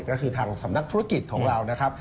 ก็คือทางสำนักธุรกิจของเรานะครับ